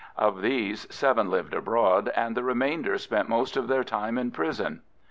Of these, seven lived abroad, and the remainder spent most of their time in prison.